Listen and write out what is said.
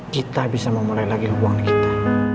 kita bisa memulai lagi hubungan kita